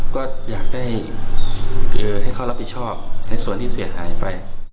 ก็อยากได้ให้เขารับผิดชอบในส่วนที่เสียหายไป